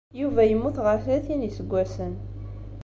Yuba yemmut ɣer tlatin n yiseggasen.